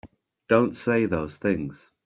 Don't say those things!